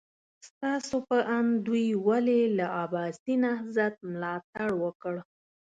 ستاسو په اند دوی ولې له عباسي نهضت ملاتړ وکړ؟